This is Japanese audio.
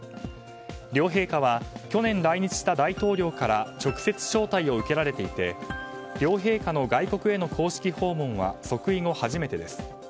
両陛下は去年来日した大統領から直接招待を受けられていて両陛下の外国への公式訪問は即位後初めてです。